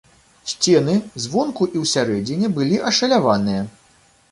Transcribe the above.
Сцены звонку і ўсярэдзіне былі ашаляваныя.